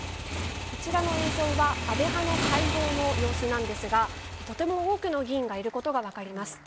こちらの映像は安倍派の会合の様子ですがとても多くの議員がいることが分かります。